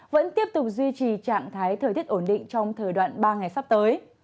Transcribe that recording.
vẫn tiếp tục duy trì trạng thái thời tiết ổn định trong thời đoạn ba ngày sắp tới